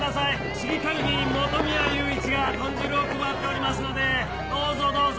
市議会議員本宮雄一が豚汁を配っておりますのでどうぞどうぞ。